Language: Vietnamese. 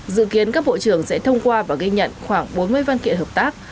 dự kiến các bộ trưởng sẽ thông qua và ghi nhận khoảng bốn mươi văn kiện hợp tác